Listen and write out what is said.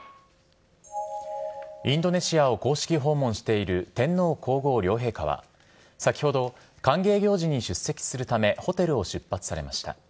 インドネシアを公式訪問している天皇皇后両陛下は、先ほど歓迎行事に出席するためホテルを出発されました。